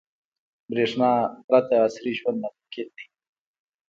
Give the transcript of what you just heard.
• برېښنا پرته عصري ژوند ناممکن دی.